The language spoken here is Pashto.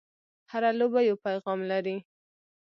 هره لوبه یو پیغام لري.